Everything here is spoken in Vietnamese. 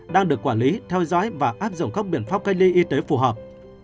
đang được quản lý theo dõi và áp dụng các biện pháp cách ly y tế phù hợp